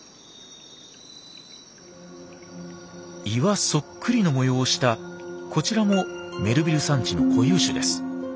岩そっくりの模様をしたこちらもメルヴィル山地の固有種です。